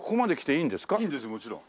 いいんですもちろん。